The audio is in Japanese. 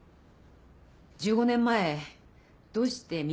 １５年前どうしてみ